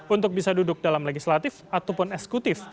untuk bisa duduk dalam legislatif ataupun eksekutif